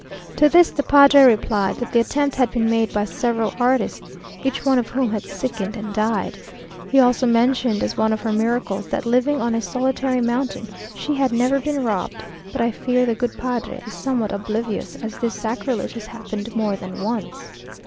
To this the padre replied, that the attempt had been made by several artists, each one of whom had sickened and died. He also mentioned as one of her miracles, that living on a solitary mountain she had never been robbed; but I fear the good padre is somewhat oblivious, as this sacrilege has happened more than once.